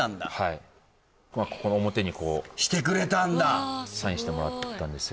いここの表にこうしてくれたんだわすごいサインしてもらったんですよ